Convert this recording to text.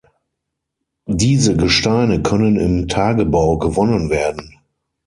Diese Gesteine können im Tagebau gewonnen werden.